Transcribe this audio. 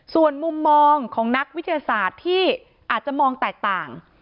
ส่วนมุมมองของนักวิทยาศาสตร์ที่อาจจะมองแตกต่าง